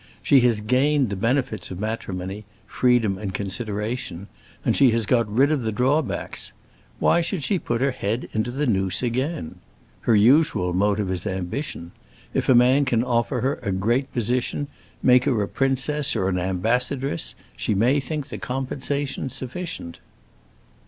She has gained the benefits of matrimony—freedom and consideration—and she has got rid of the drawbacks. Why should she put her head into the noose again? Her usual motive is ambition: if a man can offer her a great position, make her a princess or an ambassadress she may think the compensation sufficient."